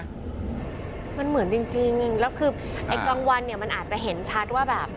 มันเหมือนจริงแล้วคือไอ้กลางวันเนี่ยมันอาจจะเห็นชัดว่าแบบ